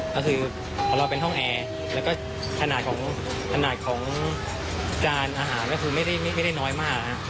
ก็คือเป็นห้องแอร์แล้วกระดาษของการอาหารก็คือไม่ได้น้อยมากครับ